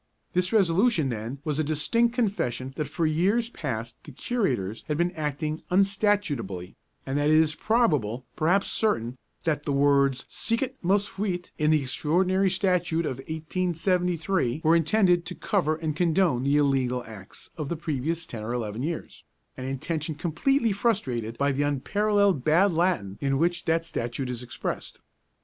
This resolution then was a distinct confession that for years past the Curators had been acting unstatutably, and it is probable, perhaps certain, that the words 'sicut mos fuit' in the extraordinary statute of 1873 were intended to cover and condone the illegal acts of the previous ten or eleven years, an intention completely frustrated by the unparalleled bad Latin in which that Statute is expressed.